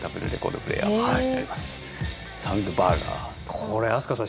これ飛鳥さん